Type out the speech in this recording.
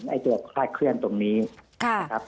ไอ้ตัวคลาดเคลื่อนตรงนี้นะครับ